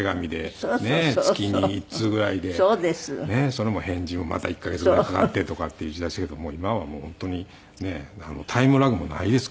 それも返事もまた１カ月ぐらいかかってとかっていう時代でしたけど今はもう本当にねえなんのタイムラグもないですから。